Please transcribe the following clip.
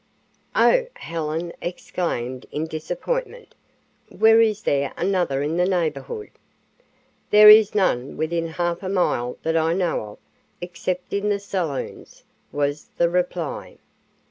"Oh," Helen exclaimed in disappointment. "Where is there another in the neighborhood?" "There is none within half a mile that I know of, except in the saloons," was the reply.